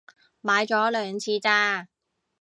買咗兩次咋